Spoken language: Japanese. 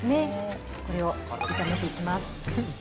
これを炒めていきます。